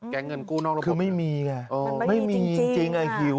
แก๊งเงินกู้นอกรบบนคือไม่มีค่ะไม่มีจริงจริงไม่มีจริงจริงอ่ะ